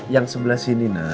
yang sebelah sini na